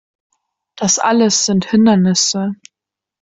Das alles sind Hindernisse.